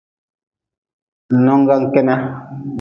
Ngnonggan kena.